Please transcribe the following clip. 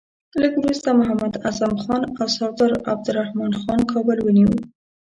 لږ وروسته محمد اعظم خان او سردار عبدالرحمن خان کابل ونیوی.